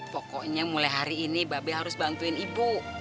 pokoknya mulai hari ini mbak be harus bantuin ibu